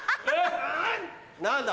何だ？